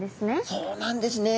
そうなんですね。